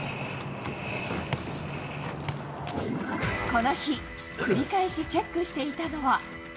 この日、繰り返しチェックしていたのは。